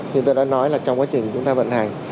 như tôi đã nói là trong quá trình chúng ta vận hành